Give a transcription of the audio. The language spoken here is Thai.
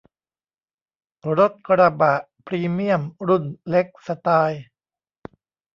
รถกระบะพรีเมียมรุ่นเล็กสไตล์